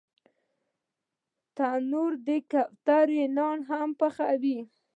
تنور د کوترې نان هم پخوي